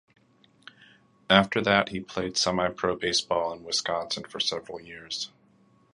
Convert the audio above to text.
After that, he played semipro baseball in Wisconsin for several years.